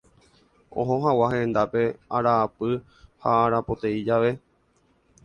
Oho hag̃ua hendápe araapy ha arapoteĩ jave.